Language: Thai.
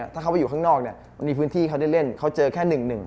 ถ้าเขาไปอยู่ข้างนอกเนี่ยมันมีพื้นที่เขาได้เล่นเขาเจอแค่๑๑